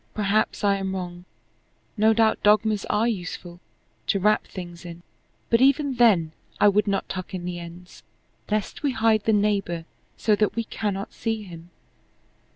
Perhaps I am wrong. No doubt dogmas are useful to wrap things in but even then I would not tuck in the ends, lest we hide the neighbor so that we cannot see him.